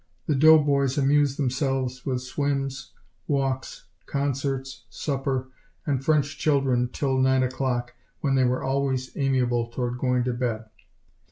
The doughboys amused themselves with swims, walks, concerts, supper, and French children till nine o'clock, when they were always amiable toward going to bed.